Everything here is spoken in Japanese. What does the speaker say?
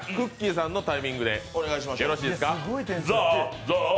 さんのタイミングでよろしいですか。